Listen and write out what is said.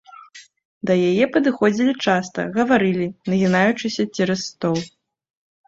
Да яе падыходзілі часта, гаварылі, нагінаючыся цераз стол.